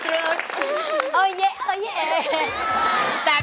เพื่อนรักไดเกิร์ต